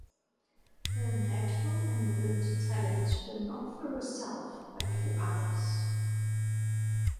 Her natural and learned talents were not for herself but for others.